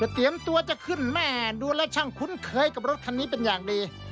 เตรียมตัวจะขึ้นแม่ดูแล้วช่างคุ้นเคยกับรถคันนี้เป็นอย่างดี